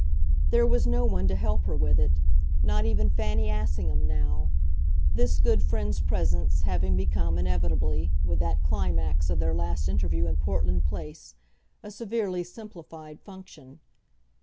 There was no one to help her with it not even Fanny Assingham now; this good friend's presence having become, inevitably, with that climax of their last interview in Portland Place, a severely simplified function.